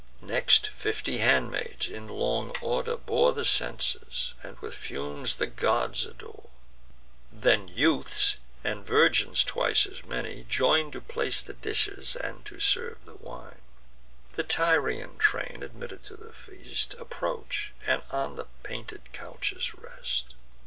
Next fifty handmaids in long order bore The censers, and with fumes the gods adore: Then youths, and virgins twice as many, join To place the dishes, and to serve the wine. The Tyrian train, admitted to the feast, Approach, and on the painted couches rest.